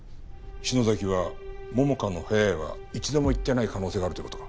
篠崎は桃花の部屋へは一度も行ってない可能性があるという事か？